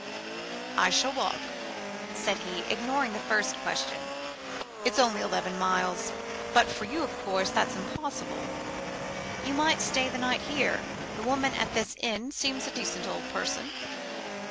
"I shall walk," said he, ignoring the first question. "It's only eleven miles. But for you, of course, that's impossible. You might stay the night here. The woman at this inn seems a decent old person."